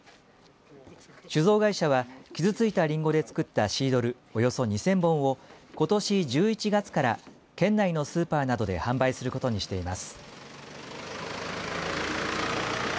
酒造会社は傷ついたりんごで作ったシードルおよそ２０００本をことし１１月から県内のスーパーなどで販売することにしています。